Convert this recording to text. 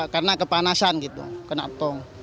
karena kepanasan gitu kena tong